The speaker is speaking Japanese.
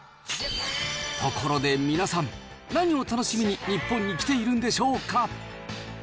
ところで皆さん、何を楽しみに日本に来ているんでしょうか。